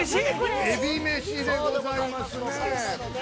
えびめしでございますね。